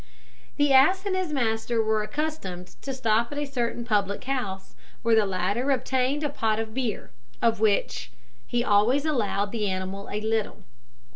The ass and his master were accustomed to stop at a certain public house, where the latter obtained a pot of beer, of which he always allowed the animal a little.